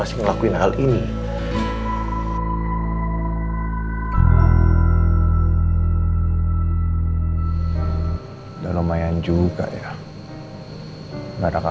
saya ingin anda menangani kasus saya dengan kebahagiaan anda